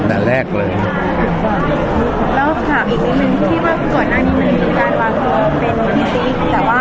ที่บอกตัวนั้นมีการเป็นทรีปแต่ว่าทรีปด้านหาแล้วว่า